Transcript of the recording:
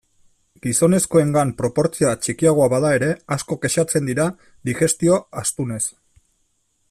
Gizonezkoengan proportzioa txikiagoa bada ere, asko kexatzen dira digestio astunez.